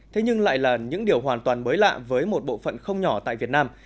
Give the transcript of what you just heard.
thế nhưng lại là những điều hoàn toàn mới lạ với một bộ phận không nhỏ tại việt nam